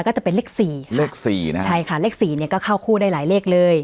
ก็จะเป็นเลขสี่เลขสี่นะฮะใช่ค่ะเลขสี่เนี้ยก็เข้าคู่ได้หลายเลขเลย